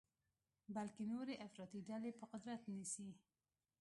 بلکې نورې افراطي ډلې به قدرت نیسي.